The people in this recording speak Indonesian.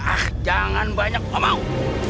ah jangan banyak ngomong